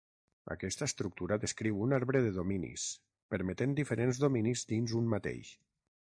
Aquesta estructura descriu un arbre de dominis, permetent diferents dominis dins un mateix.